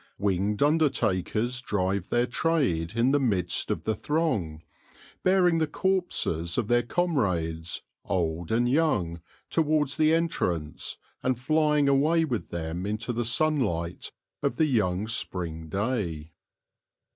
Winged undertakers drive their trade in the midst of the throng, bearing the corpses of their comrades, old and young, towards the entrance, and flying away with them into the sunlight of the young spring day.